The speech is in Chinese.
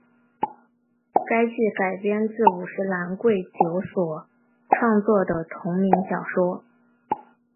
该剧改编自五十岚贵久所创作的同名小说。